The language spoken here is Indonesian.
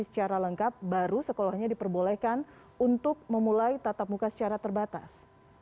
secara lengkap baru sekolahnya diperbolehkan untuk memulai tatap muka secara terbatas